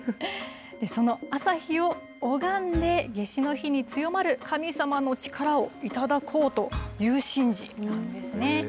その朝日を拝んで、夏至の日に強まる神様の力を頂こうという神事なんですね。